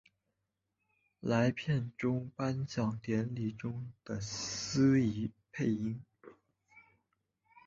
为片中颁奖典礼上的司仪配音。